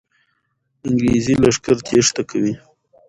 انګریزي لښکر تېښته کوي.